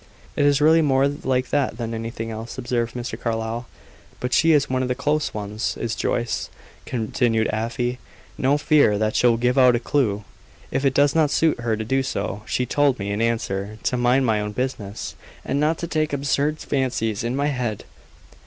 "It is really more like that than anything else," observed Mr. Carlyle. "But she is one of the close ones, is Joyce," continued Afy. "No fear that she'll give out a clue, if it does not suit her to do so. She told me, in answer, to mind my own business, and not to take absurd fancies in my head.